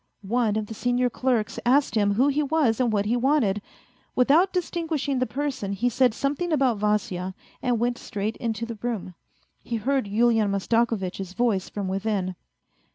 One of the senior clerks asked him who he was and what he wanted ? Without distinguishing the person he said something about Vasya and went straight into the room. He heard Yulian Mastakovitch's voice from within.